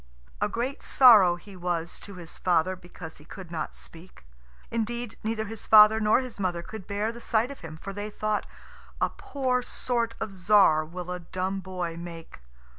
A great sorrow he was to his father because he could not speak. Indeed, neither his father nor his mother could bear the sight of him, for they thought, "A poor sort of Tzar will a dumb boy make!"